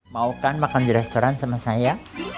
mau kan makan di restoran sama saya